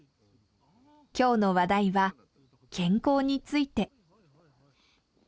今日の話題は健康について。